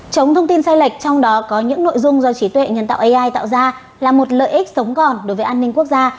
chống thông tin sai lệch trong đó có những nội dung do trí tuệ nhân tạo ai tạo ra là một lợi ích sống còn đối với an ninh quốc gia